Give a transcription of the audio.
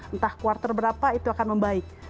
entah quarter berapa itu akan membaik